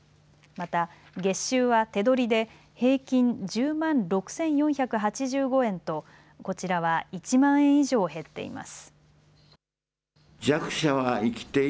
また月収は手取りで平均１０万６４８５円とこちらは１万円以上減っています。